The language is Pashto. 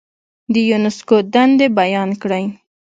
د یونسکو دندې بیان کړئ.